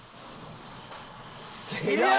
正解。